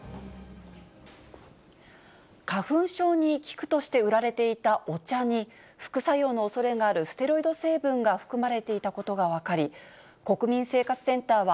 花粉症に効くとして売られていたお茶に、副作用のおそれがあるステロイド成分が含まれていたことが分かり、国民生活センターは、